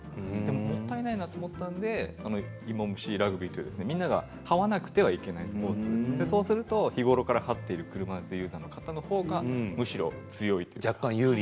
もったいないと思ったのでイモムシラグビーというみんなが、はわなくてはいけないスポーツそうすると日頃からはっている車いすユーザーのほうがむしろ強い。